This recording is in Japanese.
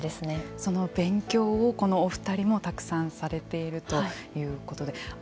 その勉強をこのお二人もたくさんされているということで。